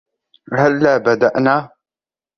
هلا بدأنا ؟